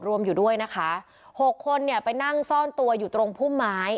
รวมอยู่ด้วยนะคะหกคนเนี่ยไปนั่งซ่อนตัวอยู่ตรงพุ่มไม้